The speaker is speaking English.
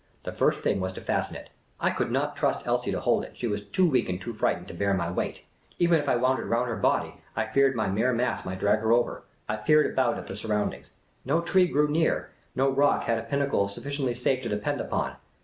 The first thing was to fasten it. I could not trust Elsie to hold it ; she was too weak and too frightened to bear my weight ; even if I wound it round her body, I feared my mere mass might drag her over. I peered about at the surroundings. No tree grew near ; no rock had a pinnacle sufiiciently safe to depend upon.